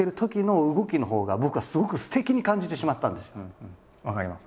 うん分かります